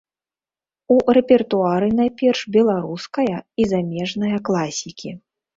У рэпертуары найперш беларуская і замежная класікі.